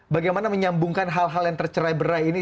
bagaimana menyambungkan hal hal yang tercerai berai ini